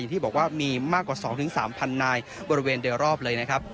อย่างที่บอกว่ามีมากกว่าสองถึงสามพันนายบริเวณเดือรอบเลยนะครับ